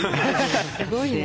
すごいな。